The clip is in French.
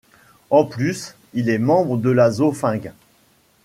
En plus, il est membre de la Zofingue.